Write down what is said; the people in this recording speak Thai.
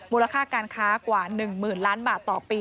มูลค่าการค้ากว่า๑๐๐๐ล้านบาทต่อปี